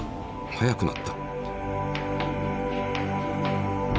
速くなった。